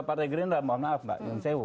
partai gerindra mohon maaf mbak